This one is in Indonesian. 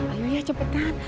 ayo ya cepetan